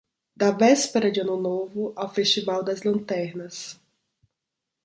Da véspera de Ano Novo ao Festival das Lanternas